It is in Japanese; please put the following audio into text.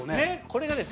これがね